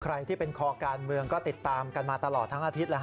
ใครที่เป็นคอการเมืองก็ติดตามกันมาตลอดทั้งอาทิตย์